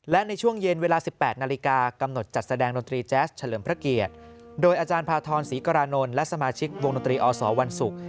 และในช่วงเย็นเวลา๑๘นาฬิกากำหนดจัดแสดงดนตรีแจ๊สเฉลิมพระเกียรติโดยอาจารย์พาทรศรีกรานนท์และสมาชิกวงดนตรีอสวันศุกร์